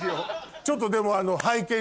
ちょっとでも。